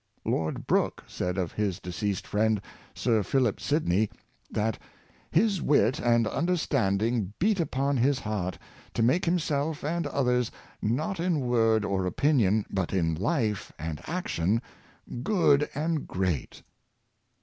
Lord Brooke said of his de ceased friend, Sir Philip Sidney, that " his wit and un derstanding beat upon his heart, to make himself and others, not in word or opinion, but in life and action, good and great."